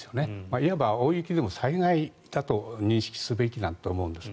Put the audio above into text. いわば大雪でも災害だと認識すべきだと思うんです。